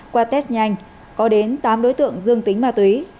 qua test nhanh có đến tám đối tượng dương tính ma túy